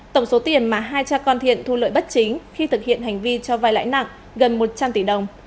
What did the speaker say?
tổng số tiền mà hai cha con thiện thu lợi bất chính khi thực hiện hành vi cho vai lãi nặng gần một trăm linh tỷ đồng